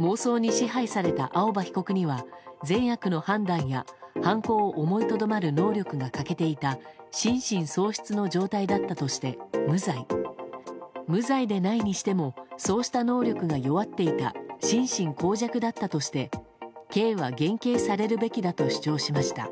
妄想に支配された青葉被告には善悪の判断や犯行を思いとどまる能力が欠けていた心神喪失の状態だったとして無罪無罪でないにしてもそうした能力が弱っていた心神耗弱だったとして刑は減刑されるべきだと主張しました。